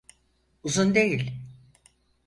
Uzun değil.